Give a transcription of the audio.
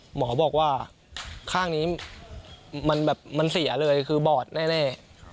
หมอบอกว่าข้างนี้มันแบบมันเสียเลยคือบอดแน่